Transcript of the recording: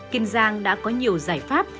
kin giang đã có nhiều giải pháp